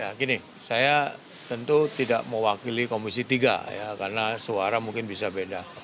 ya gini saya tentu tidak mewakili komisi tiga ya karena suara mungkin bisa beda